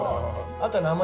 あと名前。